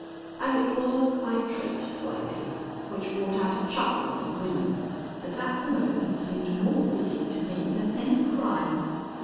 As it was, I tripped slightly, which brought out a chuckle from William that at the moment seemed more wicked to me than any crime.